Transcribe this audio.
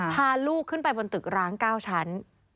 พาลูกขึ้นไปบนตึกร้าง๙ชั้น